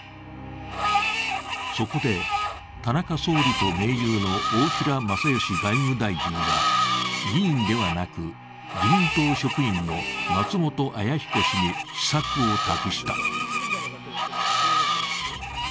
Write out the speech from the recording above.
そこで、田中総理と盟友の大平正芳外務大臣は、議員ではなく、自民党職員の松本或彦氏に秘策を託した。